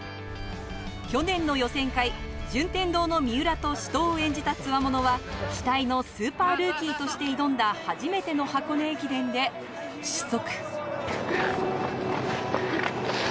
去年の予選会、順天堂の三浦と死闘を演じた強者は期待のスーパールーキーとして挑んだ初めての箱根駅伝で失速。